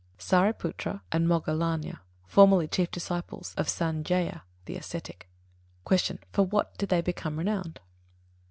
Sāriputra and Moggallāna, formerly chief disciples of Sañjaya, the ascetic. 83. Q. _For what did they become renowned?